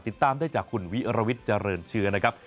ติดตามได้จากคุณวิรวิทย์เจริญเชื้อนะครับ